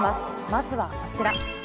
まずはこちら。